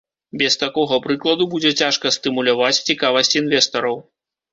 Без такога прыкладу будзе цяжка стымуляваць цікавасць інвестараў.